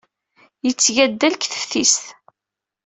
Yetteg addal deg teftist.